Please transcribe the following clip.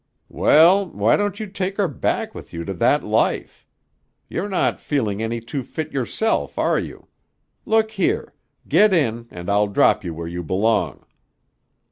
"Well, why don't you take her back with you to that life? You're not feeling any too fit yourself, are you? Look here. Get in and I'll drop you where you belong."